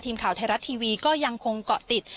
ทีมข่าวไทยรัฐทีวีก็ยังคงเกาะติด